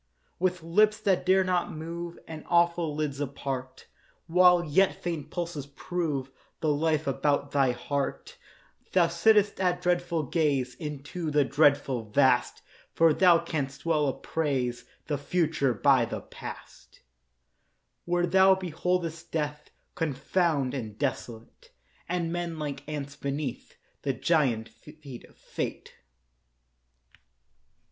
With lips that dare not move And awful lids apart, While yet faint pulses prove The life about thy heart, Thou sitt'st at dreadful gaze Into the dreadful Vast: For thou canst well appraise The future by the past, Where thou beholdest Death Confound and desolate, And men like ants beneath The giant feet of Fate.